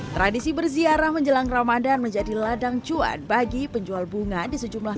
tradisi berziarah menjelang ramadhan menjadi ladang cuan bagi penjual bunga di sejumlah